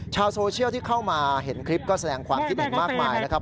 ชาวโซเชียลที่เข้ามาเห็นคลิปก็แสดงความคิดเห็นมากมายนะครับ